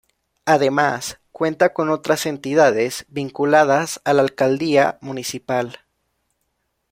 Además Cuenta con otras entidades, vinculadas a la alcaldía municipal.